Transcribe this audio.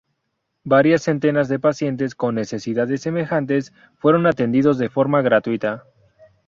Varias centenas de pacientes con necesidades semejantes fueron atendidos de forma gratuita.